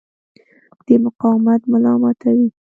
د مقاومت ملا ماتوي.